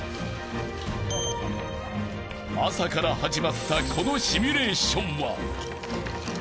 ［朝から始まったこのシミュレーションは］